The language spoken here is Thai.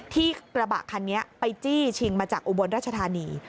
กระบะคันนี้ไปจี้ชิงมาจากอุบลราชธานี